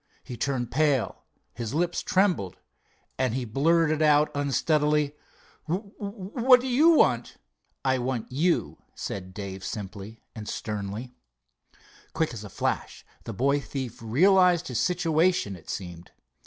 He turned pale, his lips trembled, and he blurted out unsteadily: "W—what do you want?" "I want you," said Dave simply and sternly. Quick as a flash the boy thief realized his situation, it seemed.